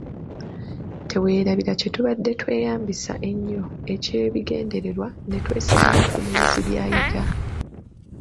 Teweerabira kye tubadde tweyambisa ennyo eky'ebigendererwa ne twesigama ku muyizi by'ayiga.